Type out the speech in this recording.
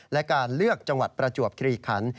และการเลือกจังหวัดประจวบคลีคัน